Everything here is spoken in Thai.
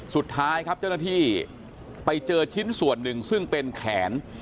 สุดท้ายครับเจ้าหน้าที่ไปเจอชิ้นส่วนหนึ่งซึ่งเป็นแขน